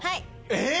えっ？